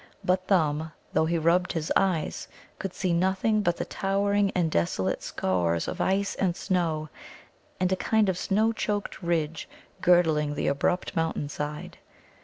But Thumb, though he rubbed his eyes, could see nothing but the towering and desolate scaurs of ice and snow and a kind of snow choked ridge girdling the abrupt mountain side.